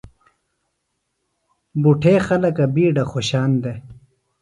بُٹھے خلکہ بِیڈہ خوۡشان دےۡ ۔